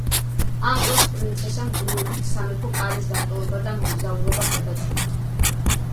ამ დროს, პრინცესამ დროებით სამეფო კარის დატოვება და მოგზაურობა გადაწყვიტა.